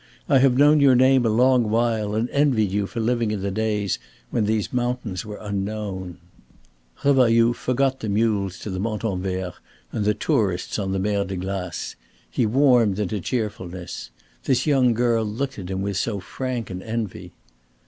I have known your name a long while and envied you for living in the days when these mountains were unknown." Revailloud forgot the mules to the Montanvert and the tourists on the Mer de Glace. He warmed into cheerfulness. This young girl looked at him with so frank an envy.